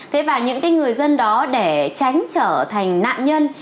thế và những cái người dân đó để tránh trở thành nạn nhân